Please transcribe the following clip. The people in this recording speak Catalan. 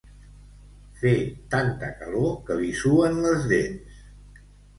Fer tanta calor que li suen les dents.